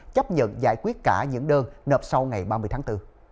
chấp nhận giải quyết cả những đơn nợ sau ngày ba mươi tháng bốn